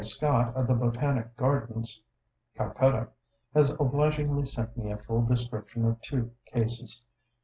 Scott, of the Botanic Gardens, Calcutta, has obligingly sent me a full description of two cases.